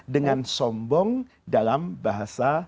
dengan sombong dalam bahasa